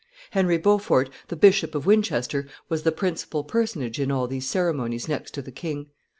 Henry Beaufort, the Bishop of Winchester, was the principal personage in all these ceremonies next to the king.